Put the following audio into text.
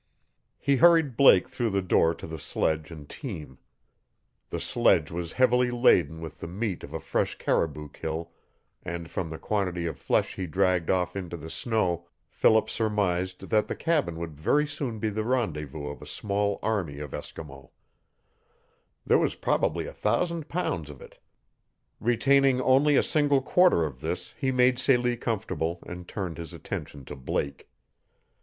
He hurried Blake through the door to the sledge and team. The sledge was heavily laden with the meat of a fresh caribou kill and from the quantity of flesh he dragged off into the snow Philip surmised that the cabin would very soon be the rendezvous of a small army of Eskimo. There was probably a thousand pounds of it, Retaining only a single quarter of this he made Celie comfortable and turned his attention to Blake.